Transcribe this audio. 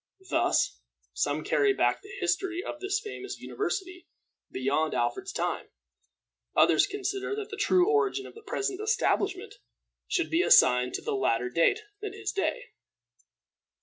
Thus some carry back the history of this famous university beyond Alfred's time; others consider that the true origin of the present establishment should be assigned to a later date than his day.